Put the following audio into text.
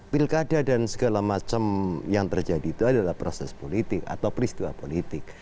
pilkada dan segala macam yang terjadi itu adalah proses politik atau peristiwa politik